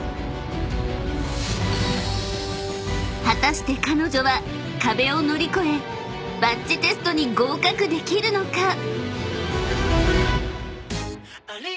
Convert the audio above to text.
［果たして彼女は壁を乗り越えバッジテストに合格できるのか⁉］